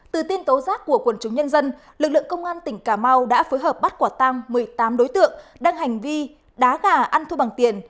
từ tiên tố rác của quần chúng nhân dân lực lượng công an tỉnh cà mau đã phối hợp bắt quả tam một mươi tám đối tượng đang hành vi đá gà ăn thu bằng tiền